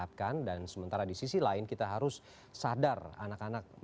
apakah dia memang memerlukan oksigen apa tidak